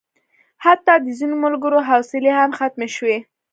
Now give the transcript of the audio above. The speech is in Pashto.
حتی د ځینو ملګرو حوصلې هم ختمې شوې.